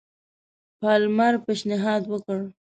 پالمر پېشنهاد وکړ.